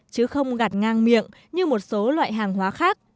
chứ không gạt ngang miệng như một số loại hàng hóa khác